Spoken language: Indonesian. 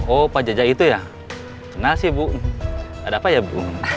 oh pak jaja itu ya kenal sih bu ada apa ya bu